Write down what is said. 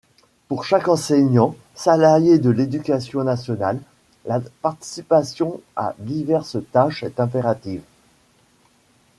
Pour chaque enseignant, salarié de l'Éducation nationale, la participation à diverses tâches est impérative.